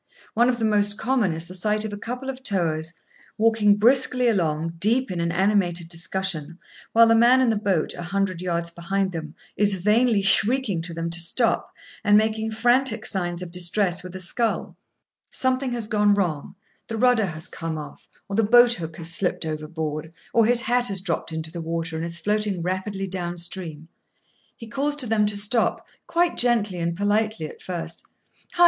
One of the most common is the sight of a couple of towers, walking briskly along, deep in an animated discussion, while the man in the boat, a hundred yards behind them, is vainly shrieking to them to stop, and making frantic signs of distress with a scull. Something has gone wrong; the rudder has come off, or the boat hook has slipped overboard, or his hat has dropped into the water and is floating rapidly down stream. He calls to them to stop, quite gently and politely at first. [Picture: Hat in the water] "Hi!